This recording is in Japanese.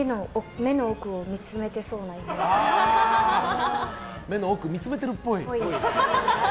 目の奥を見つめてるっぽい。